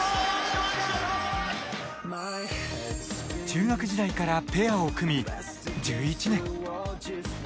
中学時代からペアを組み１１年。